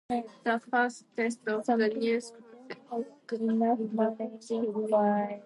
These are most commonly used while braces are already on another set of teeth.